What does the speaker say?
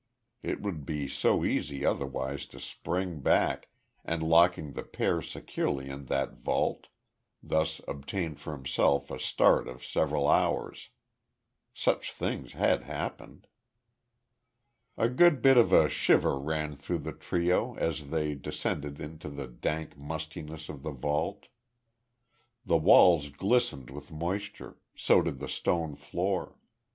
It would be so easy otherwise to spring back, and locking the pair securely in that vault, thus obtain for himself a start of several hours. Such things had happened. A good bit of a shiver ran through the trio as they descended into the dank mustiness of the vault. The walls glistened with moisture, so did the stone floor.